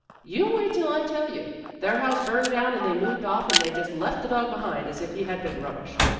"You wait till I tell you. Their house burned down and they moved off and they just left the dog behind, as if he had been rubbish.